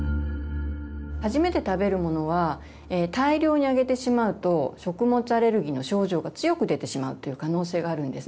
初めて食べるものは大量にあげてしまうと食物アレルギーの症状が強く出てしまうという可能性があるんですね。